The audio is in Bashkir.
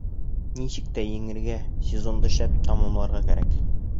Нисек тә еңергә, сезонды шәп тамамларға кәрәк.